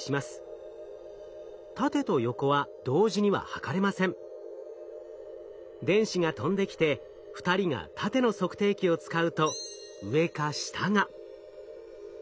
縦と横は電子が飛んできて２人が縦の測定器を使うと上か下が。